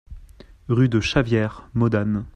Rue de Chavières, Modane